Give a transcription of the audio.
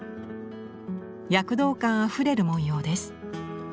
躍動感あふれる文様です。